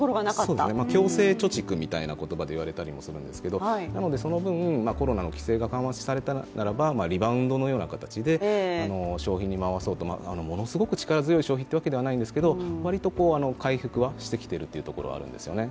強制貯蓄みたいな言葉で言われたりするんですが、その分、コロナの規制が緩和されたならばリバウンドのような形で消費に回そうと、ものすごく力強い消費というわけではないんですけど割と回復はしてきているというところはあるんですよね。